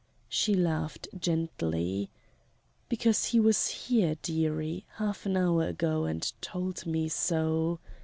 She laughed gently. "Because he was here, dearie, half an hour ago and told me so.